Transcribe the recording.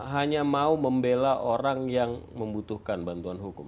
hanya mau membela orang yang membutuhkan bantuan hukum